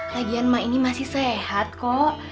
lagian mak ini masih sehat kok